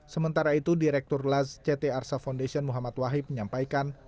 sementara itu direktur las ct arsa foundation muhammad wahid menyampaikan